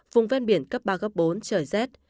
vùng vét biển cấp ba cấp bốn trời rét